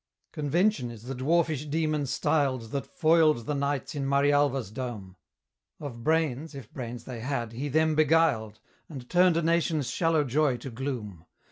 Convention is the dwarfish demon styled That foiled the knights in Marialva's dome: Of brains (if brains they had) he them beguiled, And turned a nation's shallow joy to gloom.